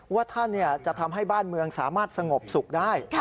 ว่าท่านจะทำให้บ้านเมืองสามารถสงบสุขได้